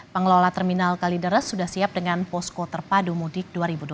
pengelola terminal kalideres sudah siap dengan posko terpadu mudik dua ribu dua puluh